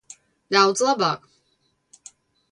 Daudz labāk.